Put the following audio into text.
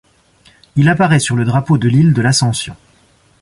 Il apparaît sur le drapeau de l'île de l'Ascension.